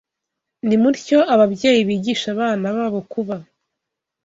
Nimutyo ababyeyi bigishe abana babo kuba